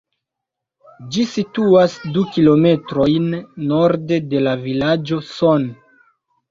Ĝi situas du kilometrojn norde de la vilaĝo Son.